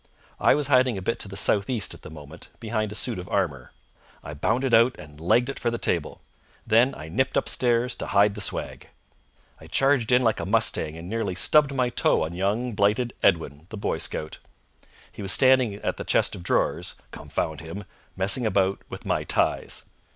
I was hiding a bit to the south east at the moment, behind a suit of armour. I bounded out and legged it for the table. Then I nipped upstairs to hide the swag. I charged in like a mustang and nearly stubbed my toe on young blighted Edwin, the Boy Scout. He was standing at the chest of drawers, confound him, messing about with my ties.